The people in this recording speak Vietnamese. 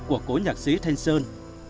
của cổ nhạc sĩ thanh sơn